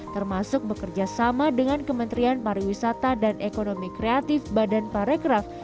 termasuk bekerja sama dengan kementerian pariwisata dan ekonomi kreatif badan parekraf